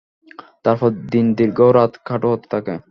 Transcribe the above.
তারপর দিন দীর্ঘ ও রাত খাটো হতে থাকে।